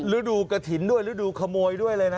ฤดูกระถิ่นด้วยฤดูขโมยด้วยเลยนะ